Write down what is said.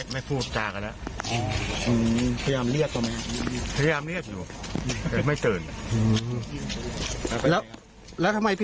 ไม่รู้เหมือนกัน